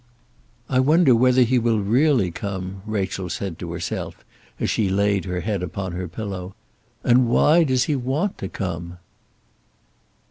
"I wonder whether he will really come?" Rachel said to herself, as she laid her head upon her pillow "and why does he want to come?"